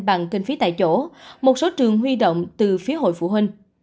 bằng kinh phí tại chỗ một số trường huy động từ phía hội phụ huynh